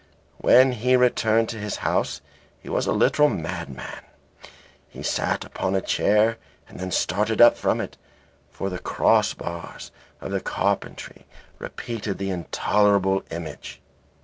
When he returned to his house he was a literal madman. He sat upon a chair and then started up from it for the cross bars of the carpentry repeated the intolerable image.